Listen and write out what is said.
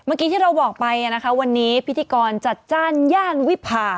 เมื่อกี้ที่เราบอกไปนะคะวันนี้พิธีกรจัดจ้านย่านวิพา